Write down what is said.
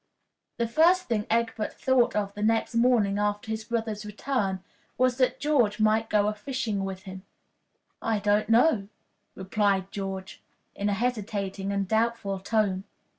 The first thing that Egbert thought of the next morning after his brother's return was that George might go a fishing with him. "I don't know," replied George, in a hesitating and doubtful tone.